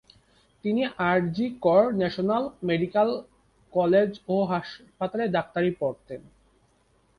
তিনি R G Kar national medical college ও হাসপাতালে ডাক্তারি পড়তেন।